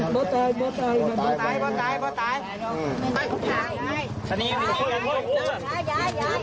เอาขาไปข้างล่าง